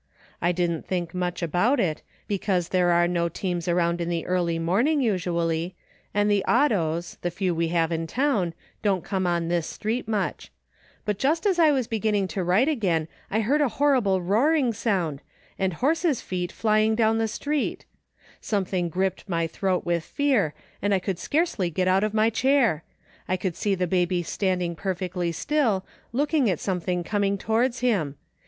I didn't think much about it, because there are no teams arotmd in the early morning usually, and the autos, the few we have in town, don't come on this street much; but just as I was beginning to write again I heard a horrible roaring sound, and horse's feet flying down the street Something gripped my throat with fear and I could scarcely get out of my chair. I could see the baby standing perfectly still, looking at something coming towards him.